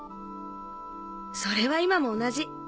それは今も同じ。